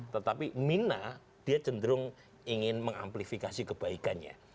tetapi mina dia cenderung ingin mengamplifikasi kebaikannya